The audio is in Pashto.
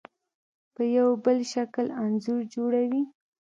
په یو بل شکل انځور جوړوي.